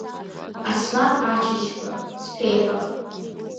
Аслан Ачачба, сԥеиҳаб!